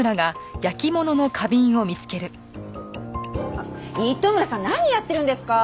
あっ糸村さん何やってるんですか？